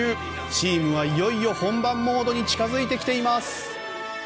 チームはいよいよ本番モードに近づいています。